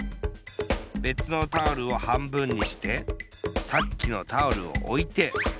べつのタオルをはんぶんにしてさっきのタオルをおいて。